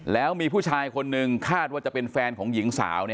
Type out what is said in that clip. แล้วมีผู้ชายคนนึงคาดว่าจะเป็นแฟนของหญิงสาว